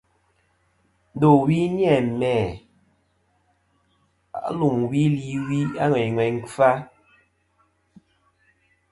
Ndowi ni-a mæ lumwi li wi ŋweyna ŋweyn ŋweyn kfa.